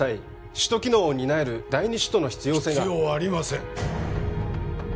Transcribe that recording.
首都機能を担える第二首都の必要性が必要ありません